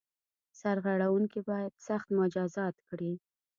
سرغړوونکي باید سخت مجازات کړي.